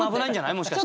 もしかして。